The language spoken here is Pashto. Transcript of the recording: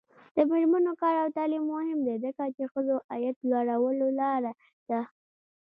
د میرمنو کار او تعلیم مهم دی ځکه چې ښځو عاید لوړولو لاره ده.